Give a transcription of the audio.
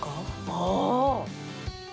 ああ！